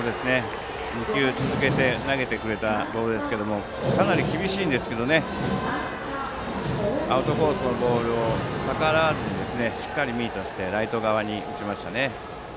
２球続けて投げてくれたボールですけれどもかなり厳しいんですがアウトコースのボールを逆らわずしっかりミートしてライト側に打ちましたね。